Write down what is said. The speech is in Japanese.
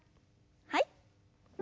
はい。